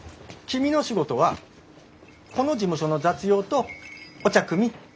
君の仕事はこの事務所の雑用とお茶くみ。